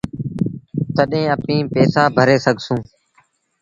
تڏهيݩ اپيٚن پئيٚسآ ڀري سگھسون